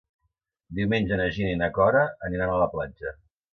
Diumenge na Gina i na Cora aniran a la platja.